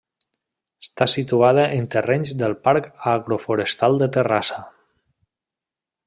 Està situada en terrenys del Parc Agroforestal de Terrassa.